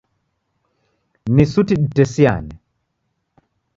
Ni suti ditesiane.